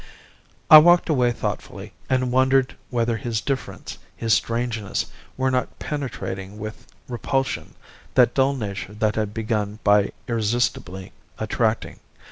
"I walked away thoughtfully; I wondered whether his difference, his strangeness, were not penetrating with repulsion that dull nature they had begun by irresistibly attracting.